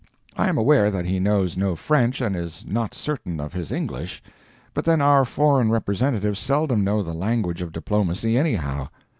I am aware that he knows no French, and is not certain of his English. But then our foreign representatives seldom know the "language of diplomacy" anyhow.